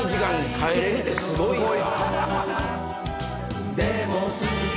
耐えれるってすごいよな。